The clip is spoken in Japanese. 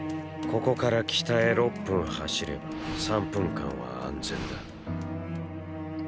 ここから北へ６分走れば３分間は安全だ。